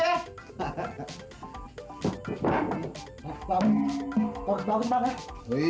terima kasih banget ya